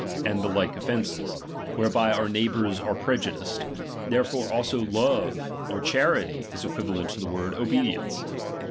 and the like offences, whereby our neighbours are prejudiced; therefore also luce, or charity,\% equi valent to the word obedience.